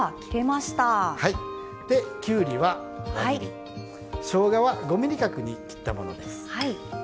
きゅうりは輪切りしょうがは５ｍｍ角に切ったものです。